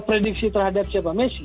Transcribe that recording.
prediksi terhadap siapa messi